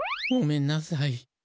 ごめんなさい。